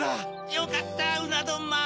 よかったうなどんまん。